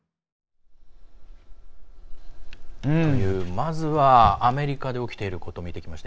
まずはアメリカで起きていること見てきました。